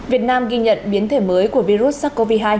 việt nam ghi nhận biến thể mới của virus sars cov hai